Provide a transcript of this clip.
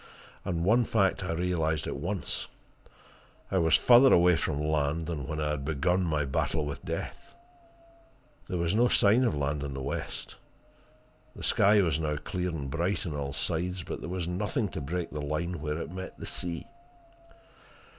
And one fact I realized at once I was further away from land than when I had begun my battle with death. There was no sign of land in the west. The sky was now clear and bright on all sides, but there was nothing to break the line where it met the sea.